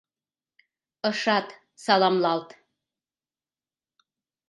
Ышат саламлалт.